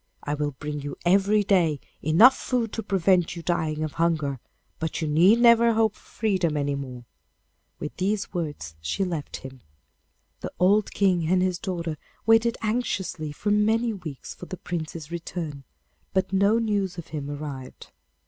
I will bring you every day enough food to prevent you dying of hunger, but you need never hope for freedom any more.' With these words she left him. The old King and his daughter waited anxiously for many weeks for the Prince's return, but no news of him arrived.